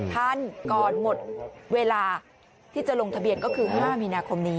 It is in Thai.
ท่านก่อนหมดเวลาที่จะลงทะเบียนก็คือ๕มีนาคมนี้